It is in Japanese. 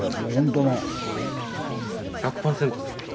１００％ですから。